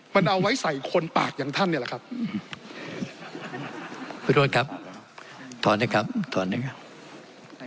มันเอาไว้ใส่คนปากอย่างท่านเนี่ยแหละครับขอโทษครับถอนนะครับถอนนะครับ